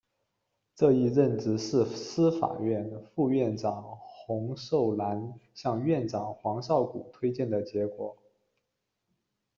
这一任职是司法院副院长洪寿南向院长黄少谷推荐的结果。